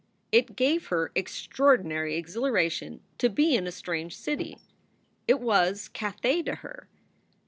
It gave her extraordinary exhilaration to be in a strange city. It was Cathay to her.